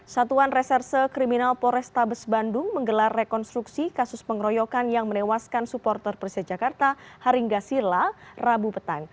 satuan reserse kriminal poresta bes bandung menggelar rekonstruksi kasus pengeroyokan yang menewaskan supporter presiden jakarta haringa sirla rabu petang